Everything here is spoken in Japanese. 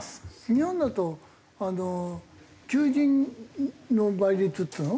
日本だと求人の倍率っていうの？